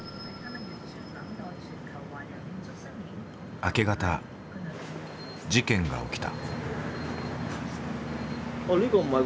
明け方事件が起きた。